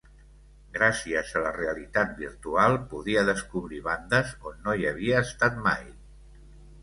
Gràcies a la realitat virtual podia descobrir bandes on no hi havia estat mai.